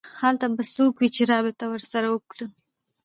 هلته به څوک وي چې رابطه ورسره وکړم